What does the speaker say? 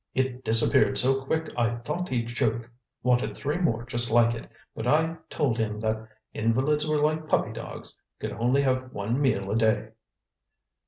It disappeared so quick I thought he'd choke. Wanted three more just like it, but I told him that invalids were like puppy dogs could only have one meal a day."